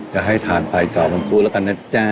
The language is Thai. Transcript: จะให้ทานไฟเก่ามันคู่แล้วกันนะจ๊ะ